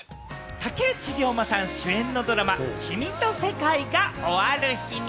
竹内涼真さん主演のドラマ『君と世界が終わる日に』。